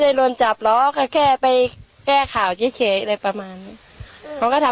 เกือบโดนจับไหมล่ะเขาขโมยลูกเข้ามา